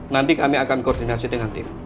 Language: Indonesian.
nanti kami akan koordinasi dengan tim